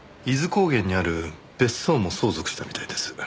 伊豆高原にある別荘も相続したみたいです。